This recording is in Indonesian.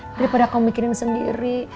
daripada kamu mikirin sendiri